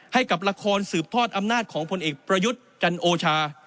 ให้กับละครสืบทอดอำนาจของพลเอกประยุทธ์จันโอชา